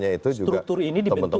ya maksud saya struktur ini dibentuk